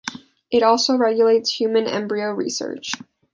It also regulates human embryo research.